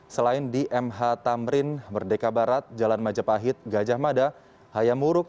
selain di mh tamrin merdeka barat jalan majapahit gajah mada hayamuruk